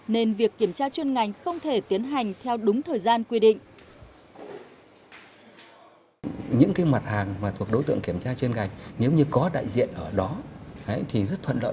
nên việc kiểm tra chuyên ngành không thể được thực hiện